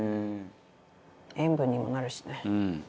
塩分にもなるしね。